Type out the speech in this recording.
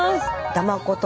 だまこと